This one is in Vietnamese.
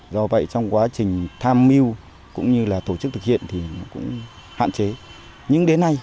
do vậy trong quá trình tham mưu cũng như là tổ chức thực hiện thì cũng hạn chế